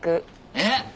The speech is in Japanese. えっ？